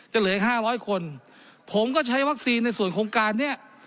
เหลืออีกห้าร้อยคนผมก็ใช้วัคซีนในส่วนโครงการนี้